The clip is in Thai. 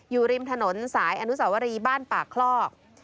อยู่ริมถนนสายอนุสาวรีบ้านปากคลอก